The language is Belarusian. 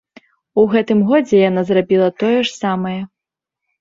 У гэтым годзе яна зрабіла тое ж самае.